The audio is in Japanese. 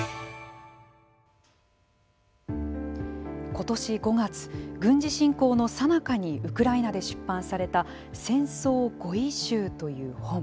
今年５月、軍事侵攻のさなかにウクライナで出版された「戦争語彙集」という本。